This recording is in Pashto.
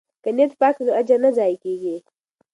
که نیت پاک وي نو اجر نه ضایع کیږي.